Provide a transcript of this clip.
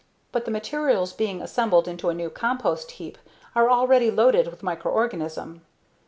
But the materials being assembled into a new compost heap are already loaded with microorganism.